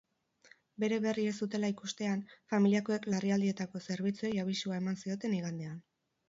Bere berri ez zutela ikustean, familiakoek larrialdietako zerbitzuei abisua eman zioten igandean.